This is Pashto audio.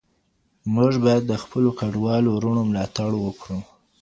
موږ باید د خپلو کډوالو وروڼو ملاتړ وکړو.